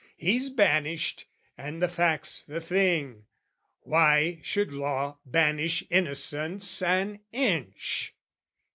He's banished, and the fact's the thing. "Why should law banish innocence an inch?